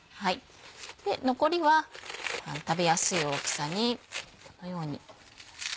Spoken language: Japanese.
で残りは食べやすい大きさにこのように。